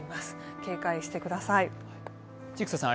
警戒してください。